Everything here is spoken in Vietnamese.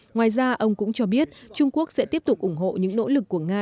ngoài ra ông cũng cho biết trung quốc sẽ tiếp tục ủng hộ những nỗ lực của nga